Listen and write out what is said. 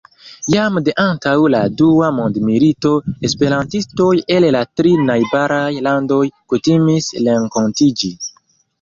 Jam de antaŭ la dua mondmilito, esperantistoj el la tri najbaraj landoj kutimis renkontiĝi.